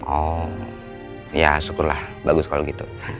oh ya syukurlah bagus kalau gitu